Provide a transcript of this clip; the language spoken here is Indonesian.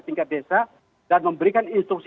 tingkat desa dan memberikan instruksi